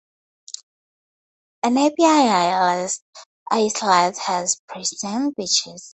A nearby islet has pristine beaches.